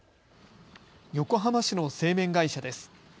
横浜市の製麺会社です。